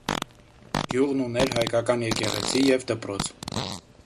Գյուղն ուներ հայկական եկեղեցի և դպրոց։